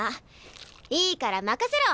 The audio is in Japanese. いいから任せろ。